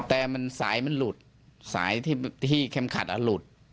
แต่สายมันหลุดสายที่เข้มขัดหลุด